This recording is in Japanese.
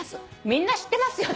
みんな知ってますよ」